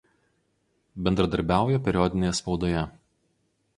Bendradarbiauja periodinėje spaudoje.